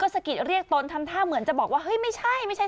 สะกิดเรียกตนทำท่าเหมือนจะบอกว่าเฮ้ยไม่ใช่ไม่ใช่